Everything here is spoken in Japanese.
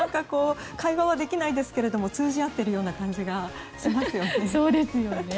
会話はできないですけど通じ合っている感じがしますね。